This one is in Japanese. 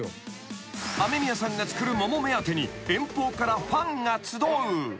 ［雨宮さんが作る桃目当てに遠方からファンが集う］